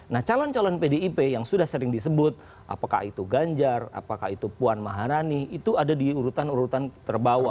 nah calon calon pdip yang sudah sering disebut apakah itu ganjar apakah itu puan maharani itu ada di urutan urutan terbawah